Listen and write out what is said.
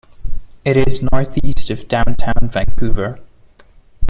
It is northeast of downtown Vancouver.